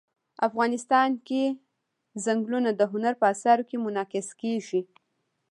افغانستان کې چنګلونه د هنر په اثار کې منعکس کېږي.